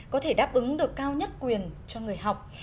có thể đáp ứng được cao nhất quyền cho người học